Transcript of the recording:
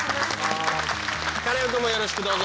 カネオくんもよろしくどうぞ。